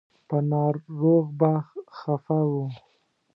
په ناروغ به خفه و.